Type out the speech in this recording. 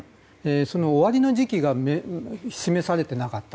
その終わりの時期が示されていなかった。